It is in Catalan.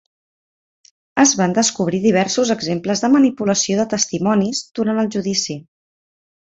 Es van descobrir diversos exemples de manipulació de testimonis durant el judici.